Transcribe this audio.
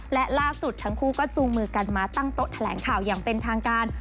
และล่าสุดทั้งคู่ก็จูงมือกันมาตั้งโต๊ะแถลงข่าวอย่างเป็นทางการ